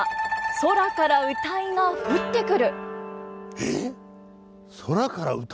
「空から謡が降ってくる」？